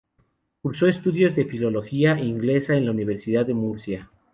Cursó estudios de Filología Inglesa en la Universidad de Murcia.